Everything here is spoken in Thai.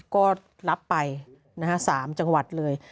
ก็รับไป๓จังหวัดเลย